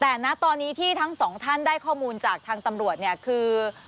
แต่นะตอนนี้ที่ทั้งสองท่านได้ข้อมูลจากทางตำรวจเนี่ยคือ